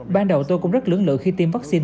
ban đầu tôi cũng rất lưỡng lự khi tiêm vaccine